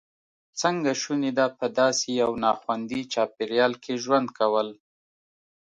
څنګه شونې ده په داسې یو ناخوندي چاپېریال کې ژوند کول.